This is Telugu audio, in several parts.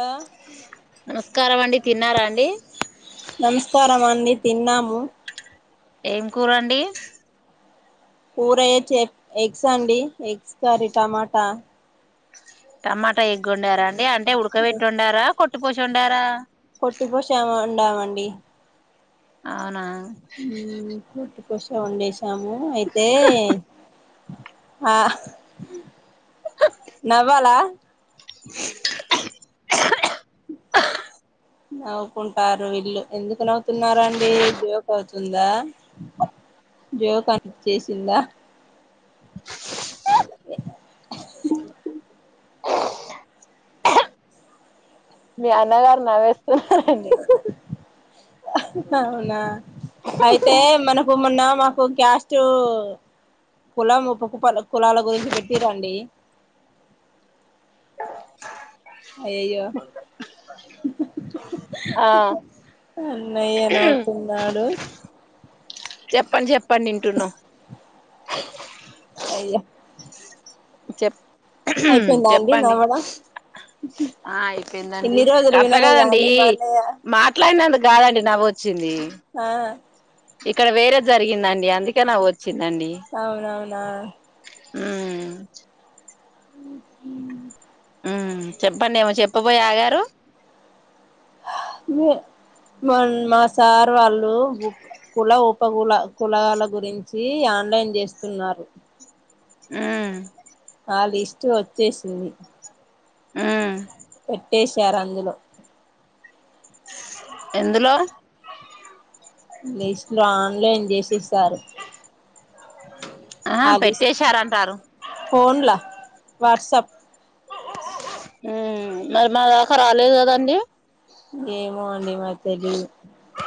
హలో నమస్కారం అండి తిన్నారా అండి నమస్కారం అండి తిన్నాము ఏం కూరండి కూరయచ్చ ఎగ్స్ అండి ఎగ్స్ కర్రీ టమాటా టమాటా ఎగ్గుండారా అండి అం టే ఉడుక వెట్టి వొండార కొట్ ట్ పోశివొండారా కొట్టిపోశావం డావండి అవునా పోశా వండేసి తాము అయితే ఆహ్ నవ్వాలా నవ్వుకుంటారు ఇళ్ళు ఎందుకు కు నవుతున్నారండి జోక్ ఉందా జోక్ అంట చేసిందా మీ అన్నగారు నవ్వెస్ అవునా అయితే మనకు మొన్న మాకు మాకు క్యాస్ట్ కులం పప్పు ప కులాల గురించి పెట్టి రండి అయయ్యో ఆ అన్నయ్యే నవుతున్నాడు చెప్పండి చెప్పండి వింటున్నాం అయ్యా చెప్ చెప్పండి నవ్వడం ఆ అయిపోయిందండి ఇన్ని రోజులు అట్ల వినలేదా కదండి అండి మా అన్నయ్య మాట్లాడినందుకు కాదండి నవ్వు వచ్చిం ఆ ఇక్కడ వేరే జరిగిందండి అందుకే నావ్ వచ్చిం అవునవునా ఊ ఉమ్ చెప్పండి ఏమో చెప్పబోయి ఆగారు మన్ మా సార్ వాళ్ళు ఇప్పుడు ఊ కుల పావుల కుల కులాల గురించి ఆన్లైన్ చేస్తున్నారు ఉహు ఆ లిస్ట్ వచ్చేసింది ఊ పెట్టేశారు అందులో ఎందులో లిస్ట్ లో ఆన్లైన్ చేసి ఇస్తారు ఆ లిస్ట్ ఫోన్లా వాట్సప్ హు మరి మా దాకా రాలేదు కదండి ఏమో అండి మాకు తెలిదు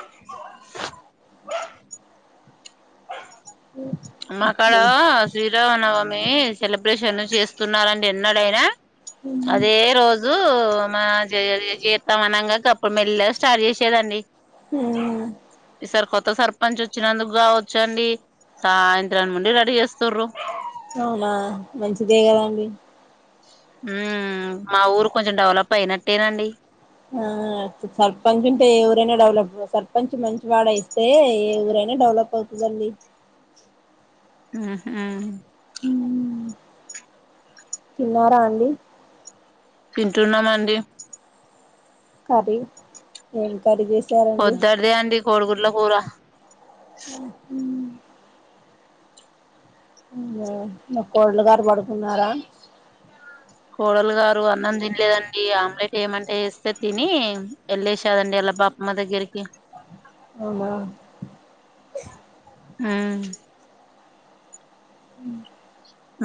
[inaudible] మా కాడ శ్రీరామనవమి సెలబ్రేషన్ చేస్తున్నారండి ఎన్నాడయినా అదే రోజు అప్పుడు మా జే జీతం అనంగా అప్పుడు మెల్లగా స్టార్ట్ చేసేదండి హు ఈసారి కొత్త సర్పంచ్ వచ్చినందుకు కావచ్చు అండి సాయంత్రం ముండి రెడీ చేస్తుర్రు అవునా మంచిదే కదాండి ఉ మా ఊరు కొంచెం డెవలప్ అయినట్టేనండి ఆ సర్పంచ్ ఉంటే ఏ ఊరైనా డెవలప్ సర్పంచ్ మంచి వాడు అయితే ఏ ఊరైనా డెవలప్ అవుతుందిీ ఉహు తిన్నార అండి తింటున్నామండీ కర్రీ ఏం కర్రీ చేసి పొద్దడిదే అండి కోడి గుడ్ల కూర ఉహు అవునా మా కోడలి గారు పడుకున్నారా కోడలు గారు అన్నం తినలేదండి ఆమ్లెట్ ఏమంటే ఎస్తే తిని వెళ్లేసారండి వల్ల బాపమ్మ దగ్గరికి అవునా ఉహు ఉ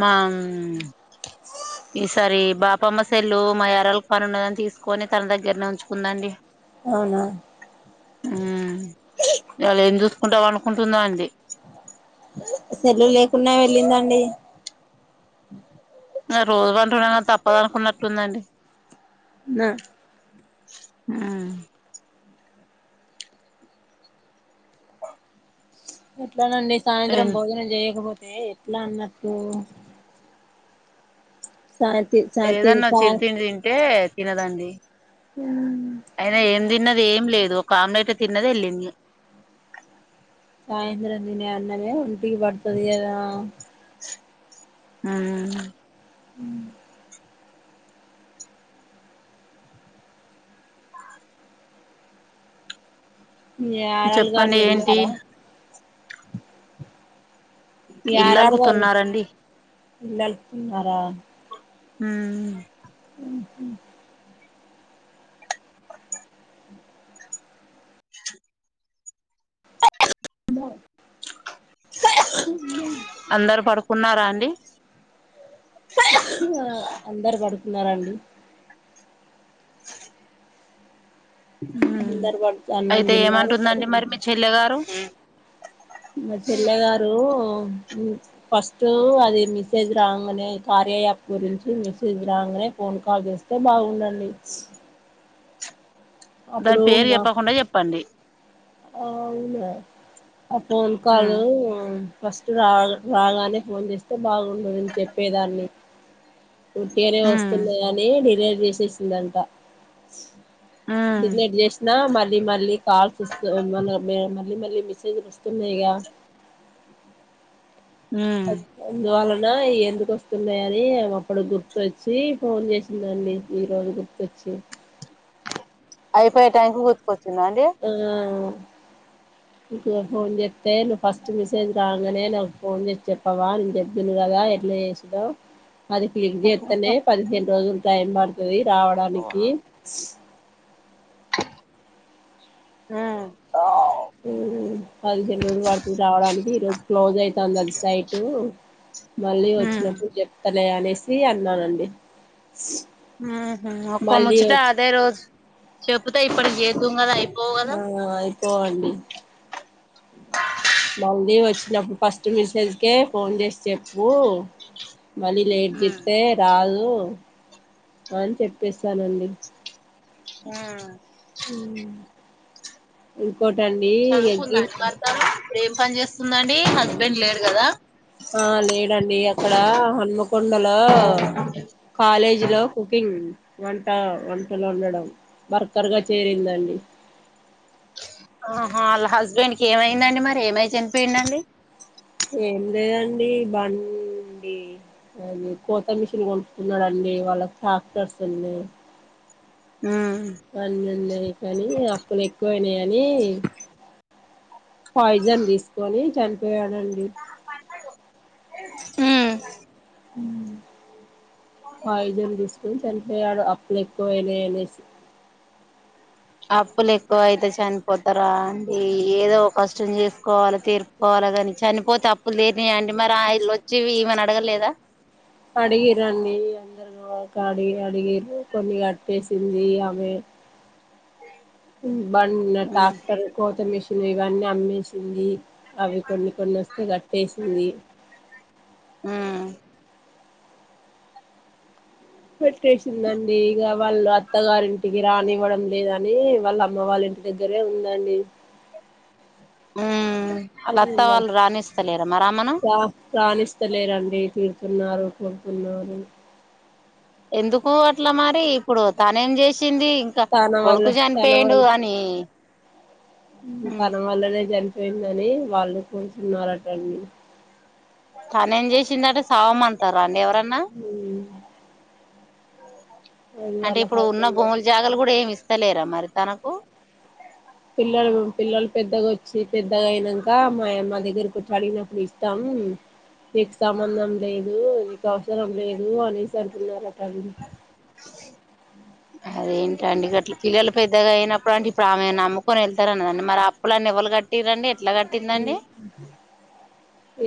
మా ఈసారి బాపమ్మ సెల్లు మా ఎర్రలు పని ఉన్నదాన్ని తీసుకొని తన దగ్గరనే ఉంచుకుందాండి అవునా హు ఇయాల ఎందు కుంటాం పండుకుంటుందా అండి సెల్ల లేకుంన్నా వెళ్ళిందండి రోజు పంట ఉన్నా కానీ తప్పద అనుకున్నట్టుందండి నా ఉహు ఎ [inaudible] ఇండి సాయంత్రం ఏం భోజనం చేయకపోతే అంటే ఎట్లా అన్నట్టు సాయంతి సాయంతి ఏదన్నా సా చిరు తిండి తింటే తినదండి అయినా ఏం తిన్నది ఏం లేదు ఒక ఆమ్లట్ తిన్నది వెళ్ళింది సాయంద్ర దినే అన్ననేే ఉపికి పడుతుది అదా హ హ ారళగావర చెప్పండి ఏంటి వెళ్ళారా ారరు గరు ఇల్లలుకుతున్నారండి పిల్లలున్నారా హ [unintelligible] [unintelligible] [unintelligible] ఉన్నారా అండి అందరు పడుతు ఉన్నారంండి [inaudible] అందరు పడుకు అన్నం అయితే తిన్నారు ఏమంటుందండి మరి పడుకున్నారు మీ చెల్లె గారు మా చెల్లె గారు ఫస్ట్ అది మెసేజ్ రాగానే కార్య యాప్ గురించి మెసేజ్ రాగానే ఫోన్ కాల్ చేస్తే బాగుండండి దాని పేరు చెప్పకుండా చెప్పండి ఆ అవును ఆ ఫోన్ కాల్ ఉమ్ ఫస్ట్ రా రాగానే ఫోన్ చేస్తే బాగుండంది నను చెప్పేదాన్ని వేరే ఉమ్ వస్తున్నాయి అని డిలీట్ చేసేసింది అంట ఉమ్ డిలీట్ చేసిన మల్లి మళ్ళీ కాల్స్ మళ్ీ మళ్ళీ మెసేజ్లు వస్తున్నా ఇక ఉమ్ అ వాాల నా ఎందుకు వస్తున్నాయ అని అప్పుడు గుర్తొచ్చి ఫోన్ చేసిందండి ఈ రోజు గుర్తొచ్చి అయి ఫైయి ట్యాంక్ ఆ ఇకు ఫోన్ చెప్తే నువ్వు ఫస్ట్ మెసేజ్ రాగానే నాకు ఫోన్ చేసి చెప్పవా నేను చెప్తును కదా ఎట్లా చేసినావ్ అది క్లిక్ చేస్తతనే పదిహేను రోజులు టైమ్ పడుతుంది ది రావడానికి [unintelligible] ఉ [unintelligible] పదిహేను రోజులు పడుతుంది రావడానికి ఈ రోజు క్లోజ్ అయితాంది సైటు మళ్ళీ ఉమ్ వచ్చినప్పుడు చెప్తారు ల అనేసి అన్నానండి ఒక్క మళ్ళీ ముచ్చట వచ్చి అదే రోజు చెప్పు ఇా ఇప్పుడు ఎ [unintelligible] ఆ అయిపోవండి మళ్ళీ వచ్చినప్పుడు ఫస్ట్ మిసేజ్కే ఫోన్ చేస్ చెప్పూ మళ్ళీ లేట్ ఉమ్ చెప్తే రాదు ఆన్ చెప్పేసానండి ఆ [unintelligible] కోటండీ ఎగ్గి అండి భర్త ఏం పని చేస్తుందండి హస్బెండ్ లేడు కదా ఆ లేడండి అక్కడా హన్మకొండలో కాలేజీ లో కుకింగ్ వంట వంటలు వండడం వర్కర్గా చేరిందండి. ఆహా ఆళ్ళ హస్బెండ్కి ఏమైందండి మరి ఏమై చనిపోయిండండి. ఏం లేదండి బంన్ డి అది కోత మిషన్ కొనుకున్నడండి వాళ్ళకు ట్రాక్టర్స్ ఉన్నాయి. ఉమ్ అన్నీ ఉన్నయి కానీ అప్పులు ఎక్కువయినయి అని పాయిజన్ తీసుకొని చనిపోయాడండి. మ్మ్ పాయిజన్ తీసుకొని చని యాడో అప్పులు ఎక్కువ అయినయి అనేసి అప్పులు ఎక్కువైతే చనిపోతారా అండి ఏదో కష్టం చేసుకోవాలె తీరుపుకోవాలా కాని చనిపోతే అప్పులు తీరినాయా అండి మరి ఆ ళ్ళొచ్చి ఈమని అడగలేదా అడిగిరన్ని అందరు అడిగి అడిగిర్రు కొన్ని కట్టేసింది ఆమె [unintelligible] బన్ ఉమ్ టాక్టర్ కోత మిషన్ ఉన్నవన్నీ అమ్మేసింది అవి కొన్ని కొన్ని వస్తే కట్టేసింది. హ్మ్మ్ పెట్టేసిందండి ఇగ వాళ్ళు అత్తగారింటికి రానివ్వడం లేదని వాళ్ళ అమ్మ వాళ్ళ ఇంటి దగ్గరే ఉందండి. ఉమ్ వాళ్ళ అత్త వాళ్ళు రానిస్తలేరా మరి ఆమెను రా రానిస్తలేరండి తీర్ తున్నారు కొడుతున్నారు. ఎందుకో అట్ల మరి ఇప్పుడు తానేం చేస్ చ్చింది ఇంకా తన వల్ల కొడుకు తన చనిపోయిండు వల్ల అనీ తన వల్లనే జరి గిందని అని వాళ్ళు అనుకుంటున్నారటండీ [unintelligible] తనేం చేసిందట సావమంటర అండి ఎవర్ ఊ అంటే వాళ్ళకి ఇప్పుడు ఉన్న అర్థం కాదు భూములు జాగాలు గూడా ఏం ఇస్తలేరా మరి తనకు పిల్లలు పిల్లలు పెద్దగా వచ్చి పెద్దగా అయినంక మా య మా దగ్గరకొచ్చి అడిగినప్పుడు ఇస్తాం నీకు సంబంధం లేదు నీకు అవసరం లేదు అనేసి అంటున్నారు. కదిరి అదేంటండి గట్లా పిల్లలు పెద్దగా అయినప్పుడు అంటే ఇప్పుడు ఆమె నమ్ముకొని ఎళ్తారు అన్నదండి మరి అప్పులు లన్నీ ఎవ్వలు కట్టిర్రండి.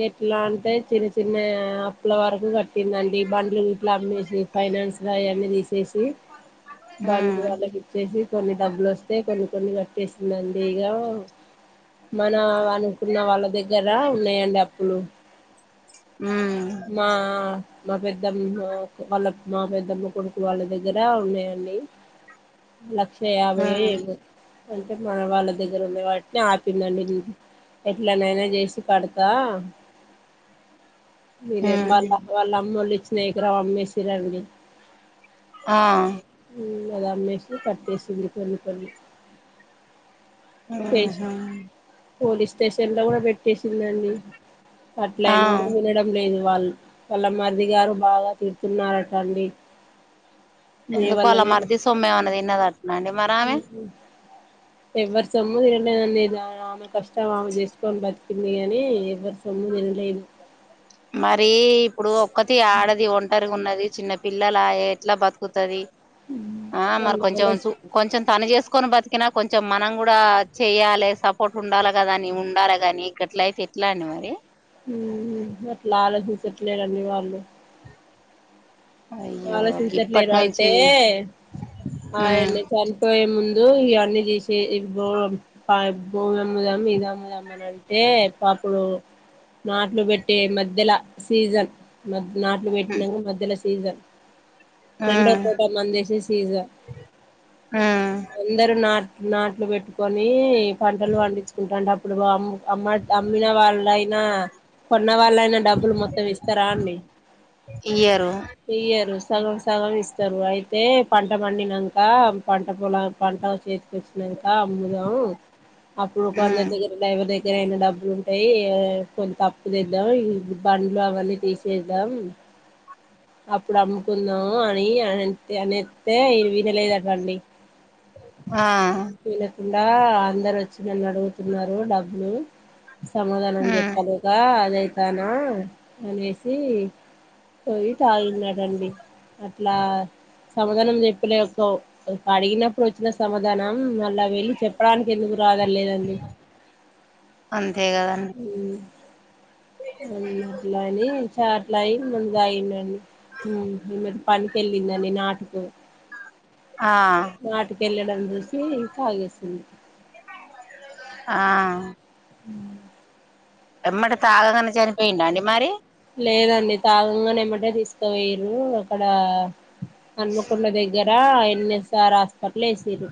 ఎట్లా అంటే చిరు చిన్నే అప్పుల వరకు కట్ ట్టిందండి బండ్లు గిట్ల అమ్మేసి రీ ఫైనాన్స్ గా అయన్నీ తీసేసి బండ్లు ఉమ్ వాళ్ళకు ఇచ్చేసి కొన్ని డబ్బులు వస్తే కొన్ని కొన్ని కట్టేసిందండి ఇగ మ అనుకున్న వాళ్ళ దగ్గర ఉన్నాయండి అప్పులు ఉమ్ మా మా పెద్దమ్మ వాళ్ళ మా పెద్దమ్మ కొడుకు వాళ్ళ దగ్గర ఉన్నాయండి లక్ష్ చే అబయ ఏ ఉమ్ అంటే మన వాళ్ళ దగ్గర ఉన్న వాటిని ఆపిందండి ఎట్లనైనా చేసి కడతా మీరే ఉమ్ మళ్ళ వాళ్ళ అమ్ళ స్నేహకురావు అమ్మేసిరండి ఆ అద అమ్మేసి కట్టేసింది కొన్ని కొన్ని మ్ స్టేషన్ హు పోలీస్ స్టేషన్ లో కూడా పెట్టేసిందండి అట్లాయిన ఆ కూడా వినడం లేదు వాళ్ళ మరిదిగారు బావ తీరుతున్నారటండి ఎందుకు అలా మర్ది సొమ్మేమన్న తిన్నదిట్నండి మరి ఆమె ఎవర్ సమ్ము [unintelligible] ఇద ఆమె కష్టం తము చేసుకో బ ంది గానీ ఎవరిసొము నినలేదు మర్ రీ ఇప్పుడు ఒక్కతి ఆడది ఒంటరిగున్నది చిన్న పిల్లలాయె ఎట్లా బతుకుతది ఆ మరి వాళ్ళు కొంచెం చూ ఆలోచి కొంచెం తను చేసుకు కొని బతికినా కొంచెం మనం కూడా చెయ్యాలే సపోర్ట్ ఉండాలి కదా అని ఉండాలి కాగాని గట్ల అయితే ఎట్లా అండి మరి. ఊహ అట్లా ఆలోచించట్లేదండి వాళ్ళు. అయ్యో గిప్పటి ఆలోచించట్లేరు అయితే నుంచి ఉమ్ ఆయన చనిపోయే ముం దో ఇవన్నీ చేసి [unintelligible] భూమి అమ్ముదాం, ఇది అమ్ముదాం అని అంటే పాప్పుడు నాట్లు పెట్టే మధ్యల సీజన్ మ్య నాట్లు పెట్నం మధ్యలో సీజన్ రెండో ఉమ్ కోటా మందేసే సీజ ఉమ్ అందరూ నా నాట్లు పెట్టుకొని పంటలు పండించుకుంటున్నాం. ప్పుడు వామ్మో అమ్మ అమ్మిన వాళ్ళయినా, కొన్న వాళ్ళైనా డబ్బులు మొత్తం ఇస్తారా అండి. ఇయ్యరు ఎరు సగం సగం ఇస్తారు. అయితే పంట పండినాక పంట పొల పంట చేతికొచ్చినాక అమ్ముదాం. అప్పుడు ఒక అన్న ఉమ్ దగర డ్రైవదే కొద్దిగా అయినా డబ్బులు ఉంటాయి. కొంత అప్పు తెద్దాం బండ్లు అవన్నీ తీసేద్దాం. అప్పుడు అమ్ముకుందాం అని అ అనేస్తే వినలేదు అటండి. ఆ ఇంకా అందరు వచ్చి నన్ను అడుగుతున్నారు డబ్బులు. సమాధానం ఉమ్ చెప్పాలేక అదైతే దానా అనేసి కొయి తాగున్నాడండి అట్లా సమాధానం చెప్పలే ఒక అడిగినప్పుడు వచ్చిన సమాధానం ఉ మళ్ళా వెళ్ళి చెప్పడానికి ఎందుకు రాద లేదండి. అంతే కదండి ఊ ఉ అ అట్లాని చట్లాయి ముందు తాగిండండి. హు ఇమది పనికిళ్ళిందంని నాటుకు ఆ వెళ్ళడం చూసి తాగేస్తుంది. ఆ ఉ [unintelligible] ఎమ్మటి తాగగానే చనిపోయిండ అండి మరి. లేదండి తాగంగానే ఏమటే తీసుకోవయరు అక్కడ హన్మకొండ దగ్గర కా ఏ న్ ఏస్ అర్ హాస్పిటల్ల ఏసిన్రూ